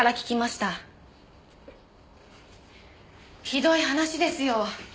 ひどい話ですよ。